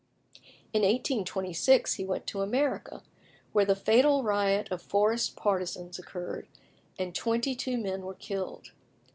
In 1826 he went to America, where the fatal riot of Forrest's partisans occurred, and twenty two men were killed.